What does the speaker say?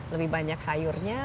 lebih banyak sayurnya